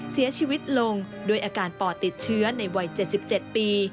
เสียชีวิตลงด้วยอาการปอดติดเชื้อในวัย๗๗ปี